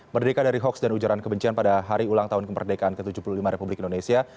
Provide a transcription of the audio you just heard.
merdeka dari hoaks dan ujaran kebencian pada hari ulang tahun kemerdekaan ke tujuh puluh lima republik indonesia